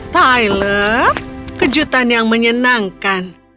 tyler kejutan yang menyenangkan